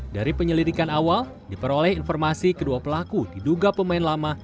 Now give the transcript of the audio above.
dari penyelidikan awal diperoleh informasi kedua pelaku diduga pemain lama